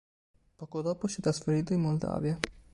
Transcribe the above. Poco dopo, si è trasferito in Moldavia.